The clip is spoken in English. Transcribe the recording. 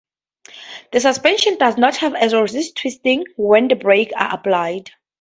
The suspension does not have to resist twisting when the brakes are applied.